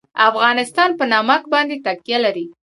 افغانستان په نمک باندې تکیه لري.